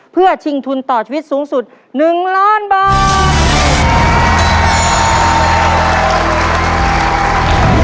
เพื่อชิงทุนต่อชีวิตสูงสุด๑ล้านบาท